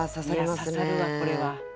いや刺さるわこれは。